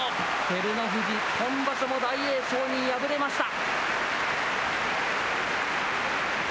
照ノ富士、今場所も大栄翔に敗れました。